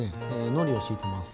のりを敷いてます。